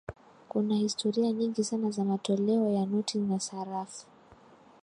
kuna historia nyingi sana za matoleo ya noti na sarafu